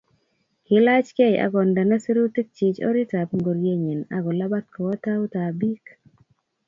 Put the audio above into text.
Kilachgei akoindeno sirutikchi oritab ngorienyi akolabat kowo tautab biik